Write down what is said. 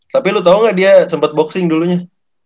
tapi lu tau gak dia sempet boxing dulunya